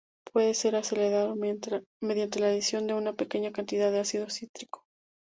Puede ser acelerado mediante la adición de una pequeña cantidad de ácido cítrico.